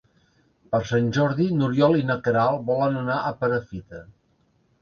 Per Sant Jordi n'Oriol i na Queralt volen anar a Perafita.